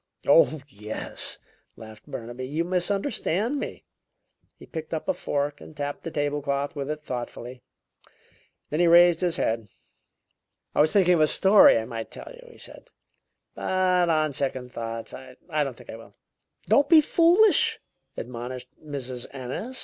"Oh, yes," laughed Burnaby, "you misunderstand me." He picked up a fork and tapped the table cloth with it thoughtfully; then he raised his head. "I was thinking of a story I might tell you," he said, "but on second thoughts I don't think I will." "Don't be foolish!" admonished Mrs. Ennis.